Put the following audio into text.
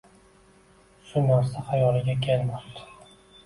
Shu narsa xayoliga kelmabdi